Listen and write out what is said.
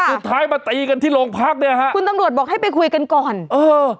สุดท้ายมาตีกันที่โรงพักเนี้ยฮะคุณตำรวจบอกให้ไปคุยกันก่อนเออ